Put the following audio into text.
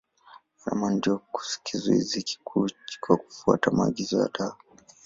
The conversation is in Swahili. Gharama ndio kizuizi kikuu kwa kufuata maagizo ya madawa.